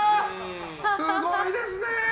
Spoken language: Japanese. すごいですね！